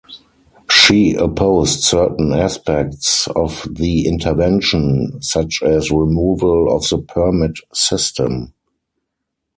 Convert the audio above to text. She opposed certain aspects of the intervention such as removal of the permit system.